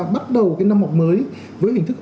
bắt đầu cái năm học mới với hình thức